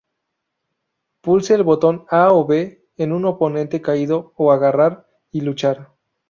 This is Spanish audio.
Pulse el botón A o B en un oponente caído a agarrar y luchar.